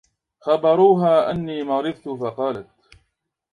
خبروها أني مرضت فقالت